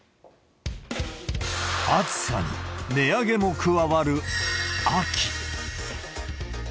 暑さに値上げも加わる秋。